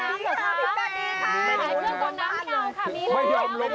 อยู่ข้าง๑๐๘๐นิ้วข้าง๑๒๐๐